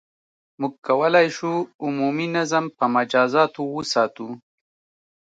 • موږ کولای شو، عمومي نظم په مجازاتو وساتو.